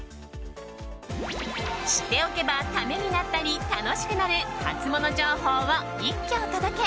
知っておけばためになったり楽しくなるハツモノ情報を一挙お届け！